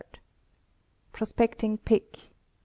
Prospecting pick